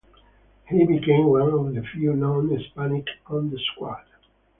He became one of the few non-Hispanics on the squad.